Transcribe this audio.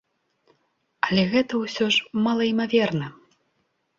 Але гэта ўсё ж малаімаверна.